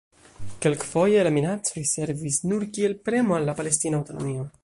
Kelkfoje la minacoj servis nur kiel premo al la palestina aŭtonomio.